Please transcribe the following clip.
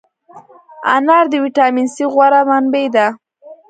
انار د ویټامین C غوره منبع ده.